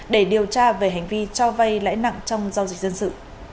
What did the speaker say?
để điều tra về hành vi cho vay lãi nặng trong giao dịch dân sự